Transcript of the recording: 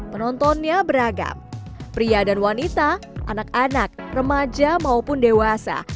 penontonnya beragam pria dan wanita anak anak remaja maupun dewasa